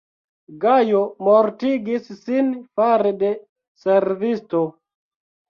Gajo mortigis sin fare de servisto.